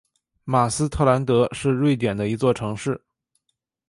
马斯特兰德是瑞典的一座城市。